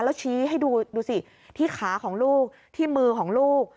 แล้วชี้ให้ดูดูสิที่ขาของลูกที่มือของลูก